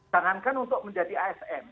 jangankan untuk menjadi asm